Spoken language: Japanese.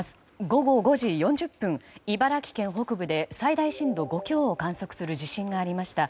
午後５時４０分、茨城県北部で最大震度５強を観測する地震がありました。